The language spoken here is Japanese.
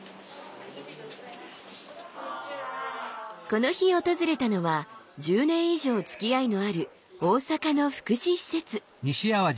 この日訪れたのは１０年以上つきあいのある大阪の福祉施設。